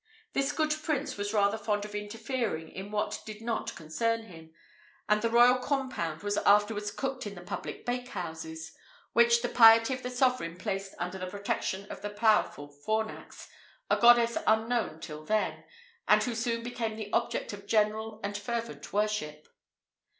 This good prince was rather fond of interfering in what did not concern him, and the royal compound was afterwards cooked in the public bakehouses, which the piety of the sovereign placed under the protection of the powerful Fornax, a goddess unknown till then, and who soon became the object of general and fervent worship.